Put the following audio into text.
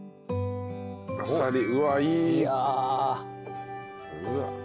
あさりうわっいい。